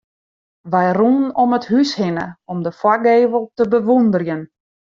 Wy rûnen om it hús hinne om de foargevel te bewûnderjen.